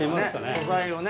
素材をね。